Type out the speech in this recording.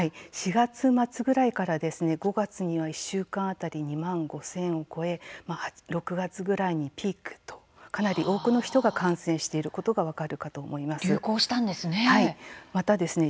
４月末ぐらいからですね５月には１週間当たり２万５０００を超え６月ぐらいにピークとかなり多くの人が感染している流行したんですね。